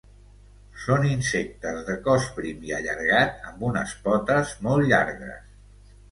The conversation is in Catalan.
Són insectes de cos prim i allargat amb unes potes molt llargues.